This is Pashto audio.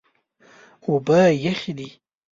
اوبه یخې دي.